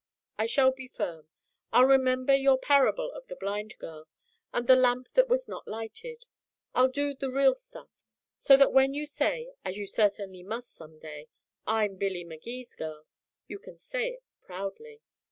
I shall be firm. I'll remember your parable of the blind girl and the lamp that was not lighted. I'll do the real stuff. So that when you say as you certainly must some day 'I'm Billy Magee's girl' you can say it proudly."